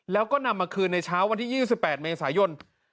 แล้วก็นำมาคืนในเช้าวันที่๒๘เมษายน